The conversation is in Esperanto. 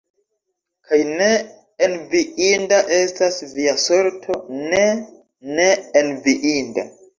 Kaj ne enviinda estas via sorto, ne, ne enviinda!